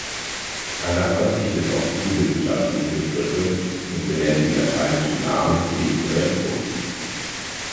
Anna verzichtet auf zu wissenschaftliche Begriffe und benennt die lateinischen Namen kindgerecht um.